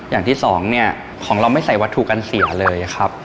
อย่างที่สองเนี่ยของเราไม่ใส่วัตถุกันเสียเลยครับ